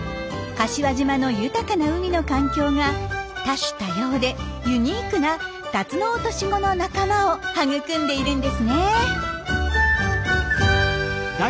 柏島の豊かな海の環境が多種多様でユニークなタツノオトシゴの仲間を育んでいるんですね！